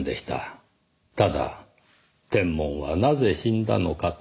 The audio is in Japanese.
ただ「テンモンはなぜ死んだのか」と。